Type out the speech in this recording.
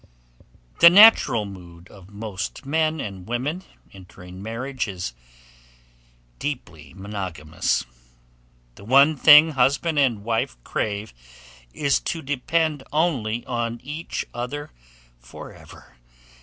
The natural mood of most men and women entering marriage is deeply monogamous. The one thing husband and wife crave is to depend only on each other forever.